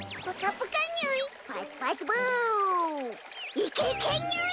いけいけにゅい！